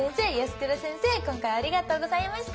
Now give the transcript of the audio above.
今回はありがとうございました。